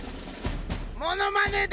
モノマネで！